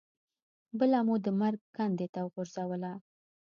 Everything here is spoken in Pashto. بله مو د مرګ کندې ته وغورځوله.